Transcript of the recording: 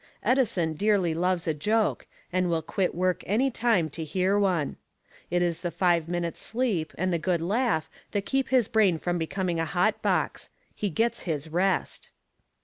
Edison dearly loves a joke, and will quit work any time to hear one. It is the five minutes' sleep and the good laugh that keep his brain from becoming a hotbox he gets his rest!